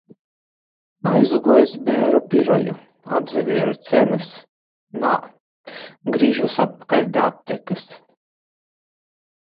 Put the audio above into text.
Aizguoju iz bēru biroju, apsavieru cenys - nā, grīžūs atpakaļ da aptekys